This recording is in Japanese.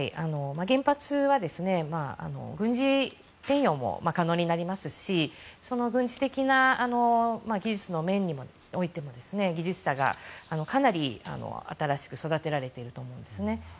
原発は軍事転用も可能になりますしその軍事的な技術の面においても技術者が、かなり新しく育てられているんですね。